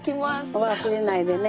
忘れないでね。